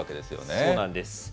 そうなんです。